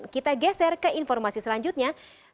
kita geser ke informasi selanjutnya